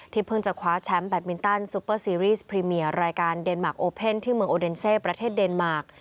เพิ่งจะคว้าแชมป์แบตมินตันซูเปอร์ซีรีสพรีเมียรายการเดนมาร์คโอเพ่นที่เมืองโอเดนเซประเทศเดนมาร์ค